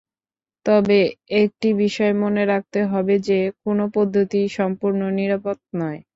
তবে একটি বিষয় মনে রাখতে হবে যে, কোনো পদ্ধতিই সম্পূর্ণ নিরাপদ নয়।